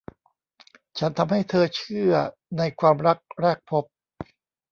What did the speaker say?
ฉันทำให้เธอเชื่อในความรักแรกพบ